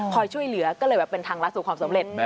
ช่วยเหลือก็เลยแบบเป็นทางรัฐสู่ความสำเร็จ